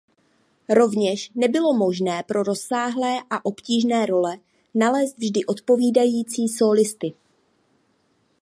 Rovněž nebylo možné pro rozsáhlé a obtížné role nalézt vždy odpovídající sólisty.